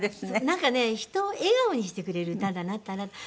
なんかね人を笑顔にしてくれる歌だなって。